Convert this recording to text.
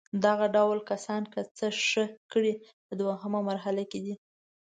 دغه ډول کسانو که څه ښه کړي په دوهمه مرحله کې دي.